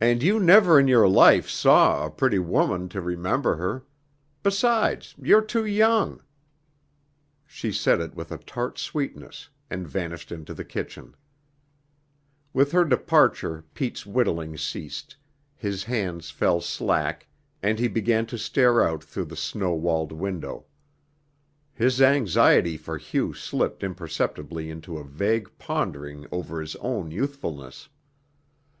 "And you never in your life saw a pretty woman to remember her. Besides, you're too young." She said it with a tart sweetness and vanished into the kitchen. With her departure Pete's whittling ceased, his hands fell slack and he began to stare out through the snow walled window. His anxiety for Hugh slipped imperceptibly into a vague pondering over his own youthfulness.